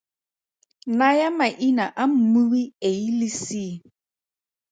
Naya maina a mmui A le C.